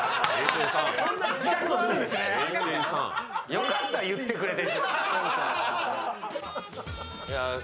よかった、言ってくれて。